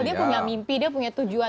dia punya mimpi dia punya tujuan